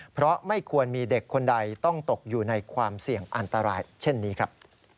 เพราะไม่ควรมีเด็กคนใดต้องตกอยู่ในความเสี่ยงอันตรายเช่นนี้ครับ